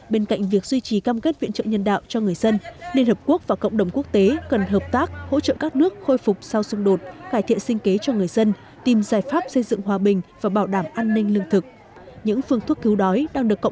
bên cạnh việc duy trì cam kết viện trợ nhân đạo cho người dân liên hợp quốc và cộng đồng quốc tế cần hợp tác hỗ trợ các nước khôi phục sau xung đột cải thiện sinh kế cho người dân tìm giải pháp xây dựng hòa bình và bảo đảm an ninh lương thực